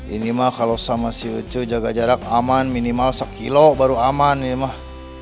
ini mah kalau sama siucu jaga jarak aman minimal sekilo baru aman ini mah